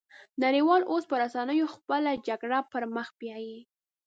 نړۍ وال اوس په رسنيو خپله جګړه پرمخ بيايي